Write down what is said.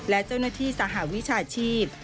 และเจ้าหน้าที่สหวิชาชีพ